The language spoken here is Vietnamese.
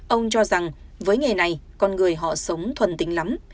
ông cho rằng với nghề này con người họ sống thuần tính lắm